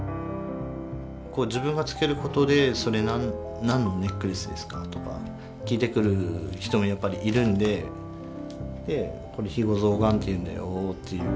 こう自分がつける事で「それ何のネックレスですか？」とか聞いてくる人もやっぱりいるんで「これ肥後象がんっていうんだよ」っていう。